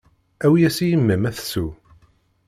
Awi-yas i yemma-m ad tsew.